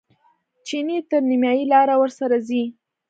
چیني تر نیمایي لارې ورسره ځي.